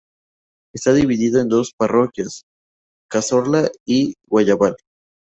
Está dividido en dos parroquias, Cazorla y Guayabal.